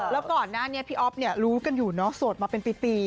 แล้วก่อนหน้านี้พี่อ๊อฟเนี่ยรู้กันอยู่เนาะโสดมาเป็นปี